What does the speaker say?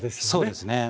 そうですね。